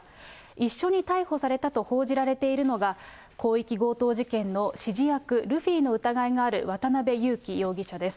一緒に逮捕されたと報じられているのが、広域強盗事件の指示役、ルフィの疑いのある渡辺優樹容疑者です。